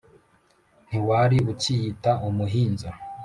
ntiwari ukiyita umuhinza